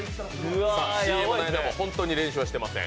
ＣＭの間も本当に練習はしてません。